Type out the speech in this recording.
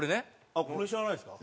あっこれ知らないですか。